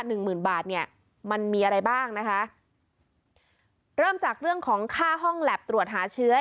หนึ่งหมื่นบาทเนี่ยมันมีอะไรบ้างนะคะเริ่มจากเรื่องของค่าห้องแล็บตรวจหาเชื้อ